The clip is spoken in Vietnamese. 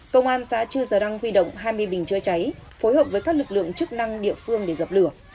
công an xá chư giờ đăng huy động hai mươi bình chứa cháy phối hợp với các lực lượng chức năng địa phương để dập lửa